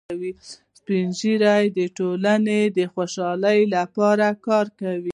سپین ږیری د ټولنې د خوشحالۍ لپاره کار کوي